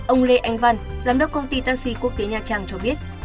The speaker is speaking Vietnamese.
ông lê anh văn giám đốc công ty taxi quốc tế nha trang cho biết